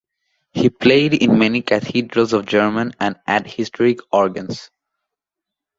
He played in many cathedrals of German and at historic organs.